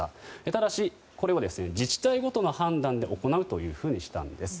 ただし、これは自治体ごとの判断で行うということにしたんです。